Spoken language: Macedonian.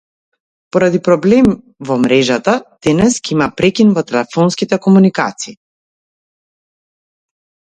Поради проблем во мрежата, денес ќе има прекин во телефонските комуникации.